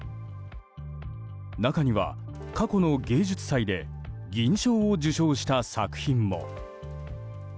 中には過去の芸術祭で銀賞を受賞した作品も。